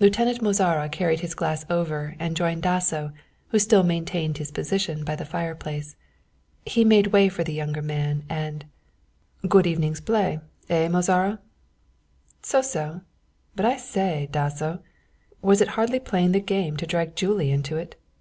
Lieutenant Mozara carried his glass over and joined Dasso, who still maintained his position by the fireplace. He made way for the younger man, and "A good evening's play, eh, Mozara?" "So so, but I say, Dasso, was it hardly playing the game to drag Julie into it?